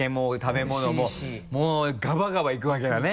もうガバガバいくわけだね。